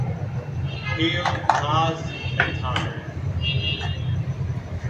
Hill-Haas et al.